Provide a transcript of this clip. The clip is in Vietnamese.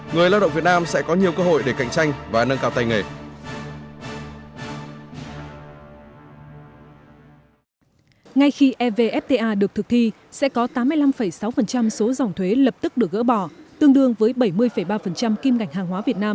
người lao động việt nam sẽ có nhiều cơ hội để cạnh tranh và nâng cao tay nghề